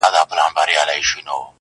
په خوله الله، په زړه کي غلا.